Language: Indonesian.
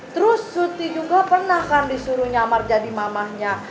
terus suti juga pernah kan disuruh nyamar jadi mamahnya